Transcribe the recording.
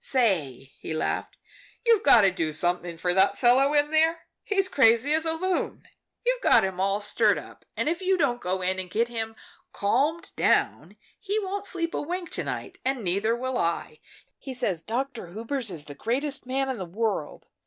"Say," he laughed, "you've got to do something for that fellow in there he's crazy as a loon. You've got him all stirred up, and if you don't go in and get him calmed down he won't sleep a wink to night, and neither will I. He says Dr. Hubers is the greatest man in the world.